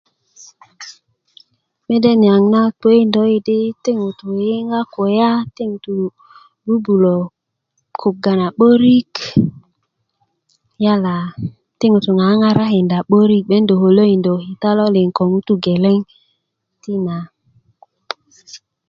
mede niyaŋ na tokökindö yi' di ti ŋutu' yiyiŋga kulya ti ŋuru' buubulö kuga na 'börik yala ti ŋutu' ŋaŋarakinda 'börik 'ben do kölökindö kita lo liŋ ŋutu' geleŋ tina